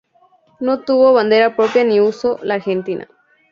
No tuvo bandera propia ni usó la argentina.